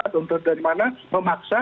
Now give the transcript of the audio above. atau dari mana memaksa